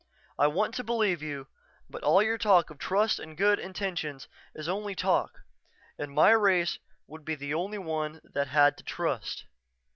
I want to believe you but all your talk of trust and good intentions is only talk and my race would be the only one that had to trust."